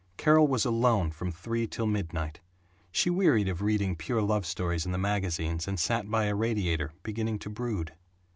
Carol was alone from three till midnight. She wearied of reading pure love stories in the magazines and sat by a radiator, beginning to brood.